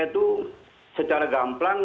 itu secara gamplang